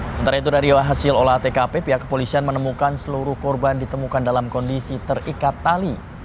sementara itu dari hasil olah tkp pihak kepolisian menemukan seluruh korban ditemukan dalam kondisi terikat tali